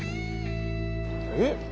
えっ？